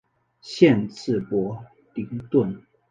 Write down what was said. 县治伯灵顿。